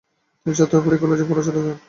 তিনি ছাত্র পড়িয়ে কলেজের পড়া চালাতেন।